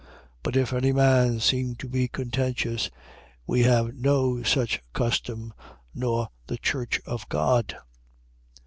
11:16. But if any man seem to be contentious, we have no such custom, nor the Church of God.